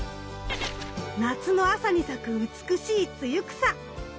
夏の朝に咲く美しいツユクサ。